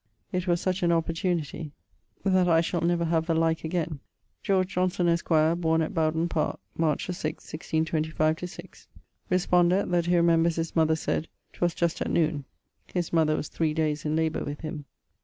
It was such an opportunity that I shall never have the like again. [B]George Johnson, esq., borne at Bowdon parke, March the sixth 1625/6; respondet that he remembers his mother sayed 'twas just at noone. His mother was three dayes in labour with him.